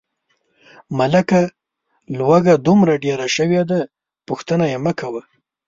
ملکه لوږه دومره ډېره شوې ده، پوښتنه یې مکوه.